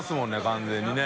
完全にね。